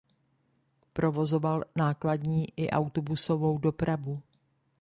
Provozoval nákladní i autobusovou dopravu.